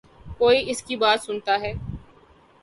کوئی اس کی بات سنتا ہے۔